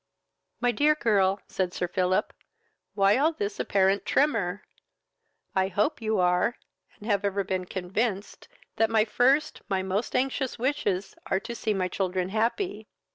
"My dear girl, (said Sir Philip,) why all this apparent tremor? I hope you are, and ever have been convinced that my first, my most anxious wishes are to see my children happy."